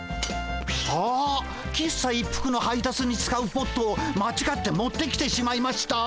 ああ喫茶一服の配達に使うポットを間違って持ってきてしまいました。